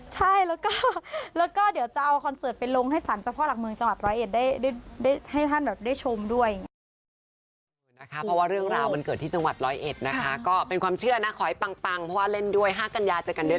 ใช่แล้วก็เดี๋ยวจะเอาคอนเสิร์ตไปลงให้สารเจ้าพ่อหลักเมืองจังหวัดร้อยเอ็ดได้ให้ท่านได้ชมด้วย